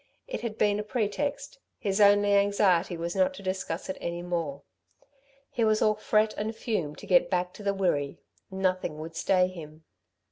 It had been a pretext; his only anxiety was not to discuss it any more. He was all fret and fume to get back to the Wirree. Nothing would stay him.